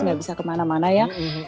nggak bisa kemana mana ya